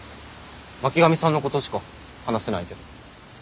巻上さんのことしか話せないけど。